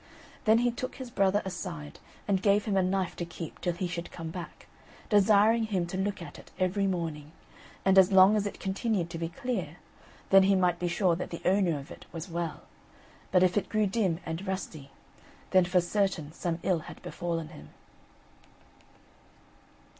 Then he took his brother aside, and gave him a knife to keep till he should come back, desiring him to look at it every morning, and as long as it continued to be clear, then he might be sure that the owner of it was well; but if it grew dim and rusty, then for certain some ill had befallen him.